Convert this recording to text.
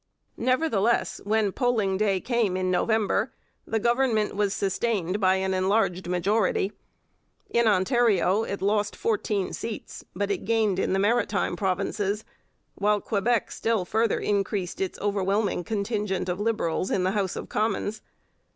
Nevertheless, when polling day came in November, the Government was sustained by an enlarged majority. In Ontario it lost fourteen seats, but it gained in the maritime provinces, while Quebec still further increased its overwhelming contingent of Liberals in the House of Commons.